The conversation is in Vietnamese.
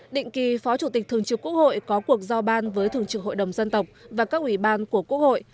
định kỳ phó chủ tịch thường trực quốc hội có cuộc giao ban với thường trực hội đồng dân tộc và các ủy ban của quốc hội